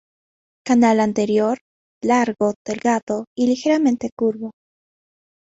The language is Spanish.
Canal anterior largo, delgado y ligeramente curvo.